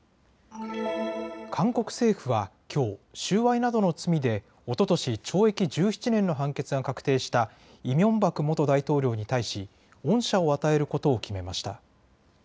韓国政府はきょう、収賄などの罪でおととし懲役１７年の判決が確定したイ・ミョンバク元大統領に対し、恩赦を与えることを決めました。